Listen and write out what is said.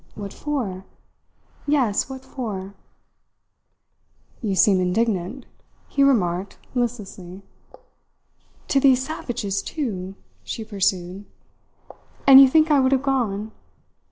What for? Yes, what for?" "You seem indignant," he remarked listlessly. "To these savages, too!" she pursued. "And you think I would have gone?